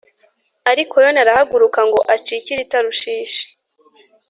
Ariko Yona arahaguruka ngo acikire i Tarushishi